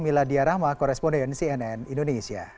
mila diyarama koresponden cnn indonesia